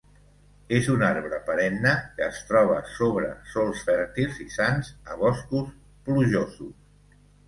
És un arbre perenne que es troba sobre sòls fèrtils i sans a boscos plujosos.